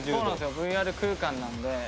ＶＲ空間なんで。